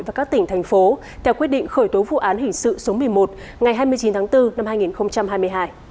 và các tỉnh thành phố theo quyết định khởi tố vụ án hình sự số một mươi một ngày hai mươi chín tháng bốn năm hai nghìn hai mươi hai